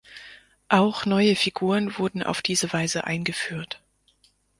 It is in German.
Auch neue Figuren wurden auf diese Weise eingeführt.